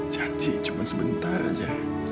janji cuma sebentar saja